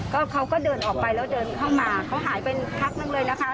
ก็เขาก็เดินออกไปแล้วเดินเข้ามาเขาหายไปพักนึงเลยนะคะ